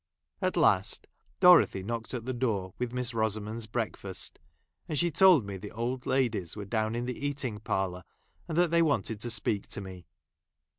At last Dorothy knocked at the door ; with Miss Rosamond's breakffist ; and she | told me the old ladies were down in the eating parlour, and that they wanted to speak I to me.